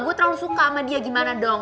gue terlalu suka sama dia gimana dong